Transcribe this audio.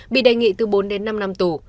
bị đề nghị từ bốn đến năm năm tù